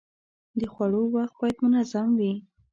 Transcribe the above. د خوړو وخت باید منظم وي.